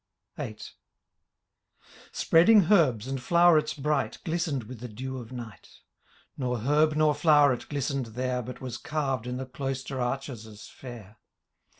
^ VIII. Spreading herbs, and flowerets bright. Glistened with the dew of night ; Nor herb, nor floweret, glistened there. But was carved in the cloister arches as fiiir.